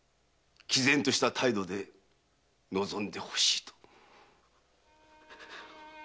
毅然とした態度で臨んでほしいと！